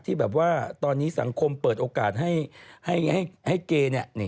ที่แบบว่าตอนนี้สังคมเปิดโอกาสให้เกย์เนี่ย